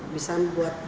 bisa buat hek